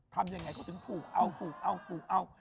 ทำยังไงเขาถึงผูกเอาผูกเอาผูกเอา